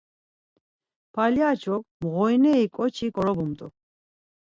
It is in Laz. Palyaç̌ok mğorineri ǩoçi ǩorobumt̆u.